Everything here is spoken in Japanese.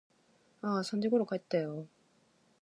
ああ、三時ころ帰ったよ。